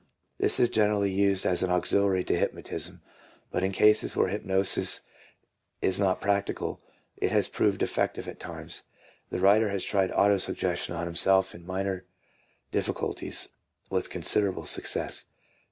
This is generally used as an auxiliary to hypnotism, but in cases where hypnotism is not practical, it has proved effective at times. The writer has tried auto suggestion on himself in minor difficulties, with considerable success.